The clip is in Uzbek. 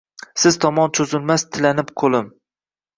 Siz tomon cho‘zilmas tilanib qo‘lim